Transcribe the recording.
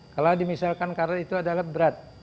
kalau di misalkan karat itu adalah berat